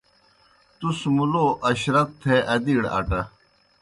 تُس مُلو اشرت تھے ادیڑ آٹہ۔